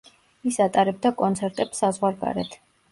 ის ატარებდა კონცერტებს საზღვარგარეთ.